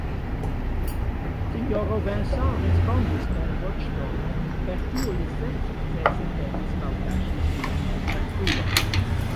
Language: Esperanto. Sinjoro Vincent respondis per voĉtono, per kiu li sensukcese penis malkaŝi sian maltrankvilon: